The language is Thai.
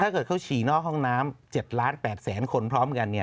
เกิดเขาฉี่นอกห้องน้ำ๗ล้าน๘แสนคนพร้อมกัน